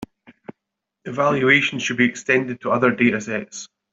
Evaluation should be extended to other datasets.